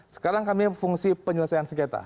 sekarang kami fungsi penyelesaian sengketa